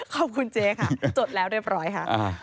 ขอบคุณเจ๊ค่ะจดแล้วเรียบร้อยค่ะ